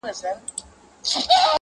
• د پسونوتر زړو ویني څڅېدلې,